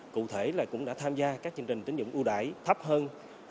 cụ thể là cũng đã tham gia các chương trình tính dụng ưu đại thấp hơn hai hai năm